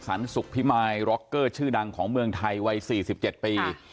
ศรรพสุขภิมายร็อเกอร์ชื่อดังใจอันชูดังของมืองไทยวัย๔๗ปี